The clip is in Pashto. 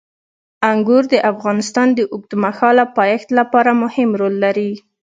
انګور د افغانستان د اوږدمهاله پایښت لپاره مهم رول لري.